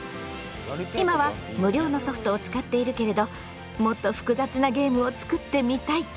今は無料のソフトを使っているけれどもっと複雑なゲームを作ってみたい。